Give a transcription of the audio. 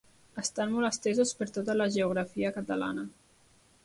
Estan molt estesos per tota la geografia catalana.